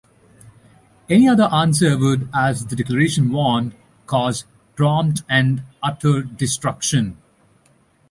Any other answer would, as the declaration warned, cause "prompt and utter destruction".